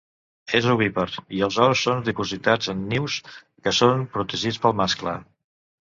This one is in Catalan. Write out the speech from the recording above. És ovípar i els ous són dipositats en nius que són protegits pel mascle.